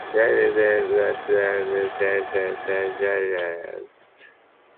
Charles Doudiet was born in Geneva, Switzerland.